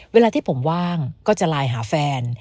เวลาที่ผมว่างก็จะไลน์หาแฟน